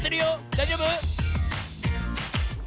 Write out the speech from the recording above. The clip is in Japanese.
だいじょうぶ？